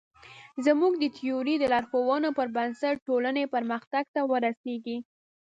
زموږ د تیورۍ د لارښوونو پر بنسټ ټولنې پرمختګ ته ورسېږي.